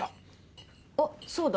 あっそうだ。